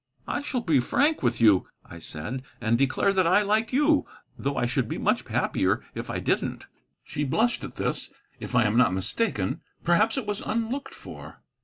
"I shall be as frank with you," I said, "and declare that I like you, though I should be much happier if I didn't." She blushed at this, if I am not mistaken. Perhaps it was unlooked for.